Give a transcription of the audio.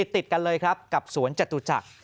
ติดกันเลยครับกับสวนจตุจักร